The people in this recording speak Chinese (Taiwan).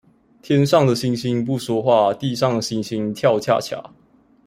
天上的星星不說話，地上的猩猩跳恰恰